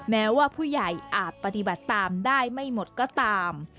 แม้ว่าผู้ใหญ่อาจปฏิบัติตามได้ไม่หมดก็ตาม